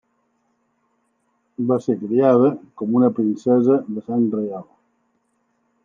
Va ser criada com una princesa de sang reial.